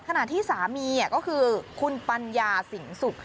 ขนาดที่สามีก็คือคุณปัญญาสิงศุ